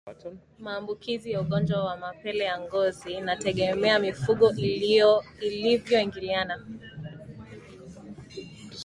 Maambukizi ya ugonjwa wa mapele ya ngozi inategemea mifugo ilivyoingiliana